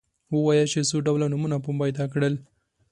ووایاست چې څو ډوله نومونه مو پیدا کړل.